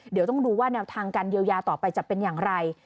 เดี๋ยวต้องดูว่าแนวทางการเยียวยาต่อไปจะเป็นอย่างไร